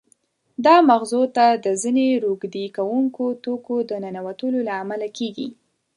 دا مغزو ته د ځینې روږدې کوونکو توکو د ننوتلو له امله کېږي.